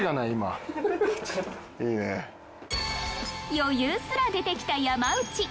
余裕すら出てきた山内